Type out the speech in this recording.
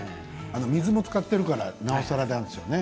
あの水も使っているからなおさらなんでしょうね